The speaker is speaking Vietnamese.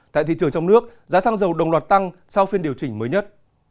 tại thị trường trong nước giá xăng dầu đồng loạt tăng sau phiên điều chỉnh mới nhất